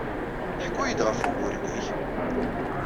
Ḥku-iyi-d ɣef wuguren-nnek.